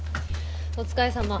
お疲れさま。